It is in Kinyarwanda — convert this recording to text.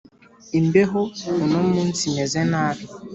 imbeho uno munsi imeze nabi